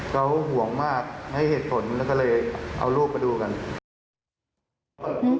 เขาห่วงมากให้เหตุผลเนี่ยก็เลยเอารูปประดูกรรม